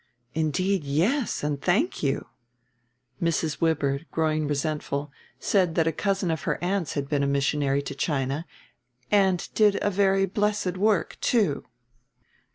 "Indeed yes, and thank you." Mrs. Wibird, growing resentful, said that a cousin of her aunt's had been a missionary to China, "and did a very blessed work too."